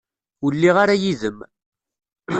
Ur lliɣ ara yid-m.